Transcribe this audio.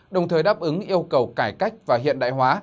đồng thời đáp ứng yêu cầu cải cách và hiện đại hóa